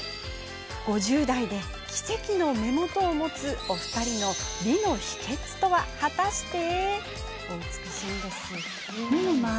５０代で奇跡の目元を持つお二人の美の秘けつとは、果たして？